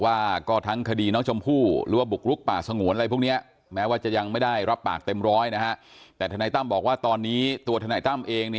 มันต้องมีคนวางแผนเป็นขั้นเป็นตอน